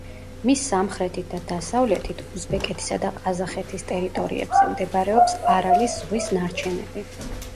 მის სამხრეთით და დასავლეთით, უზბეკეთისა და ყაზახეთის ტერიტორიებზე მდებარეობს არალის ზღვის ნარჩენები.